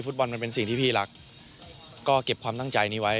บอลมันเป็นสิ่งที่พี่รักก็เก็บความตั้งใจนี้ไว้